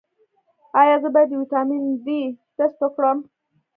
ایا زه باید د ویټامین ډي ټسټ وکړم؟